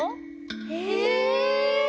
へえ！